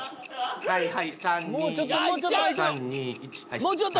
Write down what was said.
はいはい。